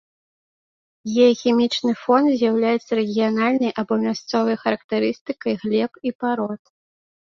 Геахімічны фон з'яўляецца рэгіянальнай або мясцовай характарыстыкай глеб і парод.